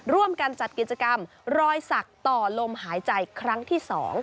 ร่วมกันจัดกิจกรรมรอยสักต่อลมหายใจครั้งที่๒